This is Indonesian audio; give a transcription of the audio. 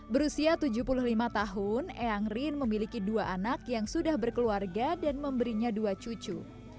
berusia tujuh puluh lima tahun eyang rin memiliki dua anak yang sudah berkeluarga dan memberinya dua cucu